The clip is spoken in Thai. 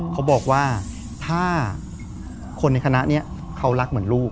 เขาบอกว่าถ้าคนในคณะนี้เขารักเหมือนลูก